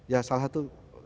ya salah satu